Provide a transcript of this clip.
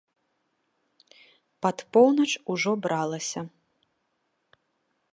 Пад поўнач ужо бралася.